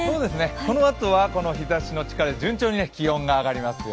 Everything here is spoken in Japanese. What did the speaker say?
このあとはこの日ざしの力で順調に気温が上がりますよ。